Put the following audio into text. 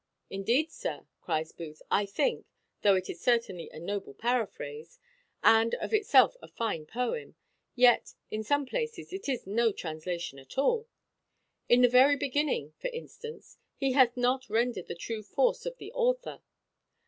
"Indeed, sir," cries Booth, "I think, though it is certainly a noble paraphrase, and of itself a fine poem, yet in some places it is no translation at all. In the very beginning, for instance, he hath not rendered the true force of the author.